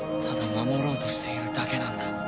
ただ守ろうとしているだけなんだ。